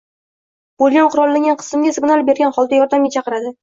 bo‘lgan qurollangan qismga signal bergan holda yordamga chaqiradi.